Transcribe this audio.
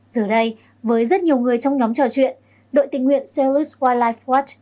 giờ đây với rất nhiều người trong nhóm trò chuyện đội tình nguyện sailors wildlife watch